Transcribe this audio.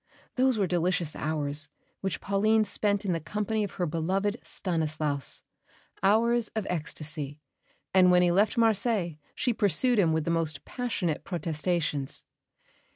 Those were delicious hours which Pauline spent in the company of her beloved "Stanislas," hours of ecstasy; and when he left Marseilles she pursued him with the most passionate protestations.